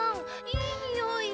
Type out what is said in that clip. いいにおい。